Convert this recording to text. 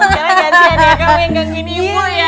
ya gantian ya kamu yang gangguin ibu ya